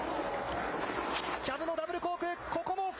キャブのダブルコーク、ここも